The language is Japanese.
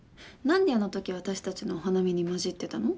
なんであの時私たちのお花見に混じってたの？